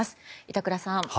板倉さん。